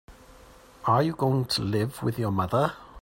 Are you going to live with your mother?